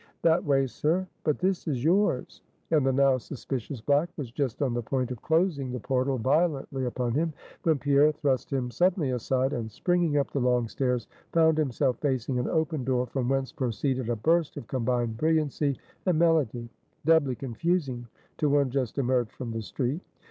"That way, sir; but this is yours;" and the now suspicious black was just on the point of closing the portal violently upon him, when Pierre thrust him suddenly aside, and springing up the long stairs, found himself facing an open door, from whence proceeded a burst of combined brilliancy and melody, doubly confusing to one just emerged from the street.